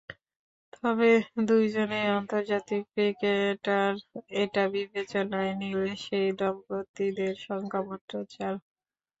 তবে দুজনেই আন্তর্জাতিক ক্রিকেটার, এটা বিবেচনায় নিলে সেই দম্পতিদের সংখ্যা মাত্র চার।